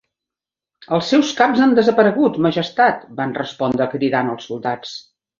'Els seus caps han desaparegut, Majestat!', van respondre cridant els soldats.